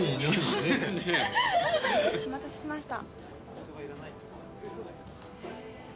お待たせしました。